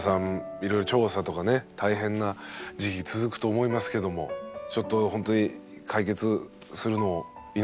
いろいろ調査とかね大変な時期続くと思いますけどもちょっとほんとに解決するのを祈っておりますんで。